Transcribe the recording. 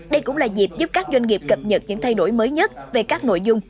đây cũng là dịp giúp các doanh nghiệp cập nhật những thay đổi mới nhất về các nội dung